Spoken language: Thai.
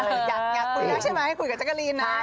อยากคุยแล้วใช่ไหมให้คุยกับแจ๊กกะลีนนะ